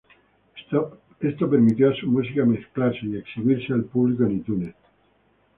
Esto permitió a su música mezclarse y exhibirse al público en Itunes.